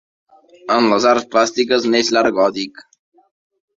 En les arts plàstiques, neix l'art gòtic.